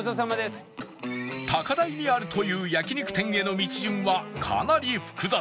高台にあるという焼肉店への道順はかなり複雑